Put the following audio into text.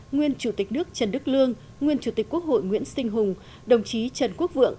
nguyên chủ tịch nước trần đức lương nguyên chủ tịch quốc hội nguyễn sinh hùng đồng chí trần quốc vượng